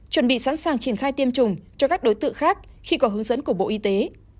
chuẩn bị sẵn sàng triển khai tiêm chủng cho các đối tượng khác khi có hướng dẫn của bộ y tế